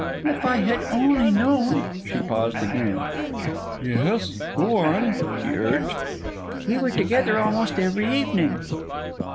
"If I had only known " She paused again. "Yes, go on," he urged. "We were together almost every evening."